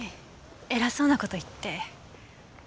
偉そうな事言って。